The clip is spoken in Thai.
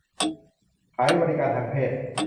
ขายบริการทางเพศ